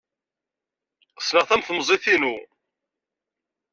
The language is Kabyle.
Ssneɣ-t am temzit-inu.